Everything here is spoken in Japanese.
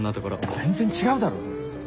全然違うだろ！